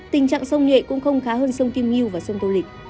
tình trạng sông nhuệ cũng không khá hơn sông kim nghiêu và sông tô lịch